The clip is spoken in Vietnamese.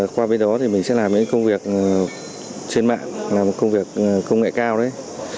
qua bên đó thì mình sẽ làm những công việc trên mạng làm công việc công nghệ cao đấy